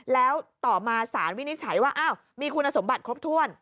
แล้วต่อมาสารวินิจฉัยว่ามีคุณสมบัติครบถ้วน